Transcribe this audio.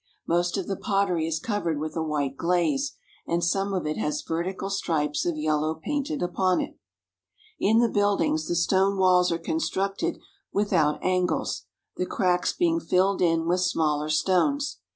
Most of the pottery is covered with a white glaze, and some of it has vertical stripes of yellow painted upon it. In the buildings the stone walls are constructed without angles, the cracks being filled in with smaller stones.